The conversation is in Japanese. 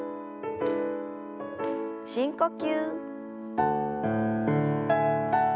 深呼吸。